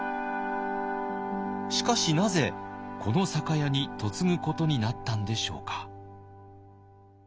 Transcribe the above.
しかしなぜこの酒屋に嫁ぐことになったんでしょうか。